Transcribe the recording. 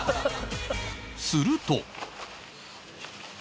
すると